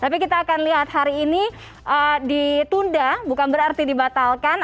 tapi kita akan lihat hari ini ditunda bukan berarti dibatalkan